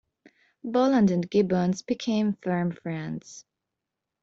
Bolland and Gibbons became firm friends.